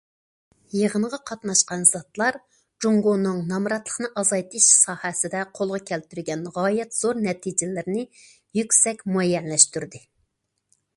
يىغىنغا قاتناشقان زاتلار جۇڭگونىڭ نامراتلىقنى ئازايتىش ساھەسىدە قولغا كەلتۈرگەن غايەت زور نەتىجىلىرىنى يۈكسەك مۇئەييەنلەشتۈردى.